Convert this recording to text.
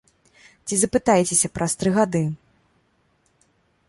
Ці запытайцеся праз тры гады.